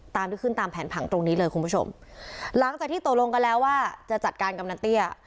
ที่ขึ้นตามแผนผังตรงนี้เลยคุณผู้ชมหลังจากที่ตกลงกันแล้วว่าจะจัดการกำนันเตี้ย